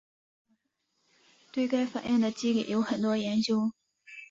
对该反应的机理有很多研究。